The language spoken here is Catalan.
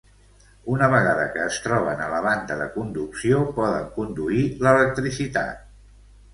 Una vegada que es troben a la banda de conducció poden conduir l'electricitat.